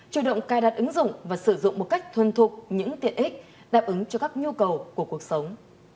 chủ động cài đặt ứng dụng và sử dụng một cách thuân thuộc những tiện ích đáp ứng cho các nhu cầu của cuộc sống